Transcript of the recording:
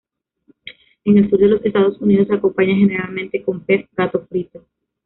En el sur de los Estados Unidos se acompaña generalmente con pez gato frito.